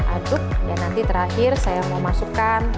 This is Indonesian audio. aduk dan nanti terakhir saya mau masukkan